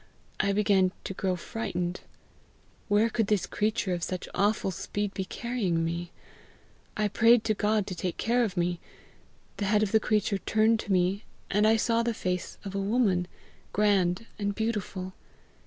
I began to grow frightened. Where could this creature of such awful speed be carrying me? I prayed to God to take care of me. The head of the creature turned to me, and I saw the face of a woman, grand and beautiful.